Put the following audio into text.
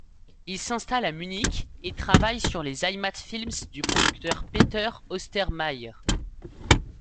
Il s'installe à Munich et travaille sur les Heimatfilms du producteur Peter Ostermayr.